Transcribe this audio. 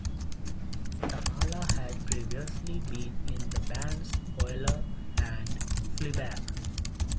Tamala had previously been in the bands Oiler and Fleabag.